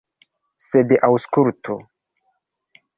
Sed aŭskultu!